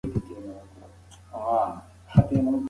ایا تاسي په خپل موبایل کې فېسبوک لرئ؟